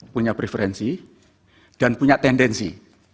punya preferensi dan punya tendensi